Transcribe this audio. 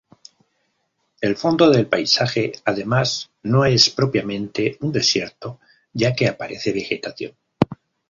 El fondo del paisaje, además, no es propiamente un desierto, ya que aparece vegetación.